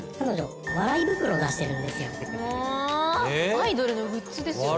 アイドルのグッズですよね。